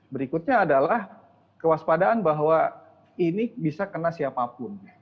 berikutnya adalah kewaspadaan bahwa ini bisa kena siapapun